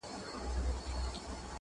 تا پر سرو شونډو پلمې راته اوډلای.!